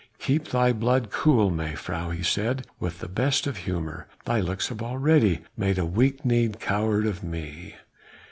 "Keep thy blood cool, mevrouw," he said with the best of humour, "thy looks have already made a weak kneed coward of me."